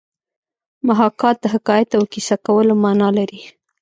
محاکات د حکایت او کیسه کولو مانا لري